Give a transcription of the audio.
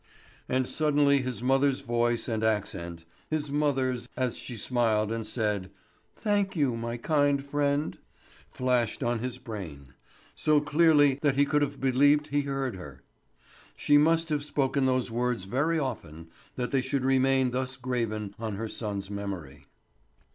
And suddenly his mother's voice and accent, his mother's as she smiled and said: "Thank you, my kind friend," flashed on his brain, so clearly that he could have believed he heard her. She must have spoken those words very often that they should remain thus graven on her son's memory.